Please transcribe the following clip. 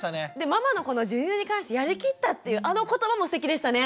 ママのこの授乳に関してやりきったっていうあの言葉もすてきでしたね。